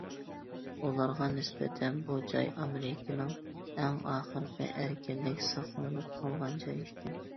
ئۇلارغا نىسبەتەن بۇ جاي ئامېرىكىنىڭ ئەڭ ئاخىرقى ئەركىنلىك ساقلىنىپ قالغان جايى ئىكەن.